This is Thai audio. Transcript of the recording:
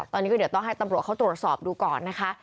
ตอนนี้ก็เดี๋ยวต้องให้ตำรวจเขาตรวจสอบดูก่อนนะคะ